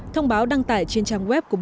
thông báo đăng tải trên trang web của bộ